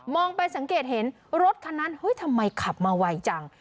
ไปสังเกตเห็นรถคันนั้นเฮ้ยทำไมขับมาไวจัง